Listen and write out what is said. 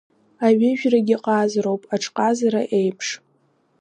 Аҩыжәрагьы ҟазароуп, аҽҟазара еиԥш!